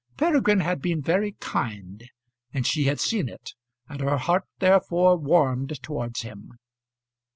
Peregrine had been very kind, and she had seen it, and her heart therefore warmed towards him.